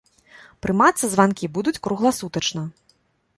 Прымацца званкі будуць кругласутачна.